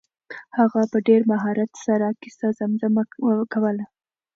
هغه په ډېر مهارت سره کیسه زمزمه کوله.